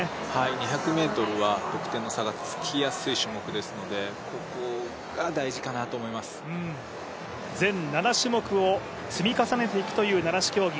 ２００ｍは得点の差がつきやすい種目ですので、全７種目を積み重ねていくという七種競技。